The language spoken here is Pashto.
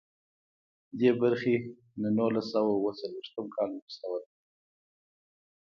دې برخې له نولس سوه اوه څلویښتم کال وروسته وده وکړه.